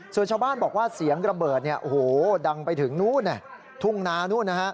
ส่วนชาวบ้านบอกว่าเสียงระเบิดดังไปถึงทุ่งนานู้น